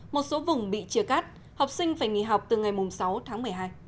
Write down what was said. một số vùng bị chia cắt học sinh phải nghỉ học từ ngày sáu tháng một mươi hai